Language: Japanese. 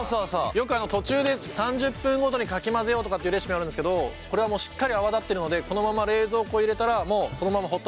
よく途中で３０分ごとにかき混ぜようとかっていうレシピあるんですけどこれはもうしっかり泡立ってるのでこのまま冷蔵庫入れたらそのままほったらかして大丈夫です。